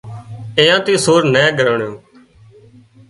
ايئان ٿئينَ سور نين ڳريو